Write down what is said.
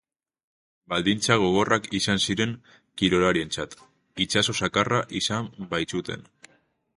Baldintza gogorrak izan ziren kirolarientzat, itsaso zakarra izan baitzuten.